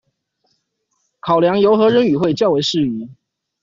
考量由何人與會較為適宜